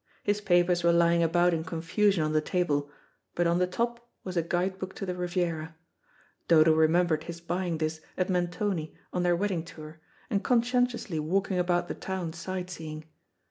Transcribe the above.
His papers were lying about in confusion on the table, but on the top was a guide book to the Riviera. Dodo remembered his buying this at Mentone on their wedding tour, and conscientiously walking about the town sight seeing.